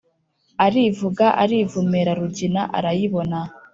arivuga iravumera rugina arayibona.